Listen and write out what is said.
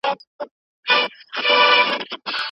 دغه محصل خپل ښکلا ییز نظر پیاوړی کوي.